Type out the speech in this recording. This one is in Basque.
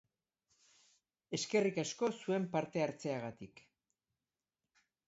Eskerrik asko zuen parte-hartzeagatik.